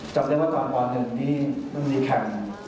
จำได้ว่าตอนกว่าเดือนที่มันมีแข่ง